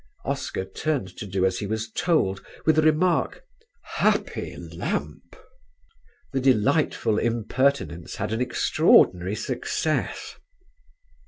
Oscar turned to do as he was told with the remark: "Happy lamp!" The delightful impertinence had an extraordinary success.